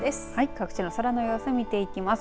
各地の空の様子を見ていきます。